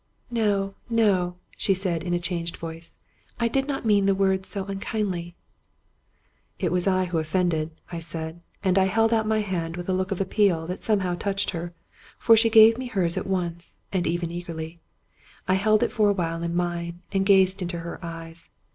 " No, no," she said, in a changed voice; " I did not mean the words unkindly." "It was I who offended," I said; and I held out my hand with a look of appeal that somehow touched her, for she gave me hers at once, and even eagerly. I held it for awhile in mine, and gazed into her eyes.